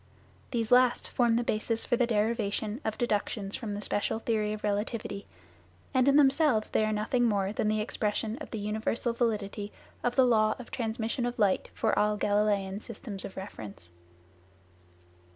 These last form the basis for the derivation of deductions from the special theory of relativity, and in themselves they are nothing more than the expression of the universal validity of the law of transmission of light for all Galileian systems of reference.